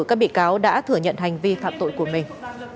các bị cáo đã thừa nhận hành vi phạm tội của mình